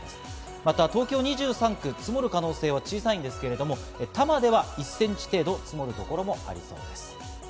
また東京２３区、積もる可能性は小さいんですけど、多摩では１センチ程度、積もるところもありそうです。